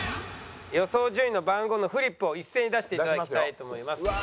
予想順位の番号のフリップを一斉に出して頂きたいと思います。